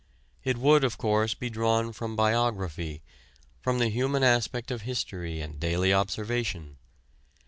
It would, of course, be drawn from biography, from the human aspect of history and daily observation.